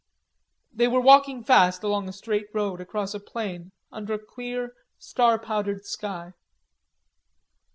They were walking fast along a straight road across a plain under a clear star powdered sky.